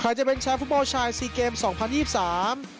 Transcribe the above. ใครจะเป็นแชมป์ฟุตบอลชาย๔เกม๒๐๒๓